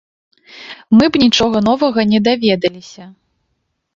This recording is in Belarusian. Мы б нічога новага не даведаліся.